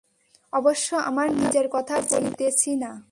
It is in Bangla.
অবশ্য আমার নিজের কথা বলিতেছি না।